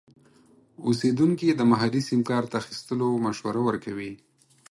اوسیدونکي د محلي سیم کارت اخیستلو مشوره ورکوي.